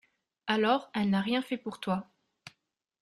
Alors elle n'a rien fait pour toi.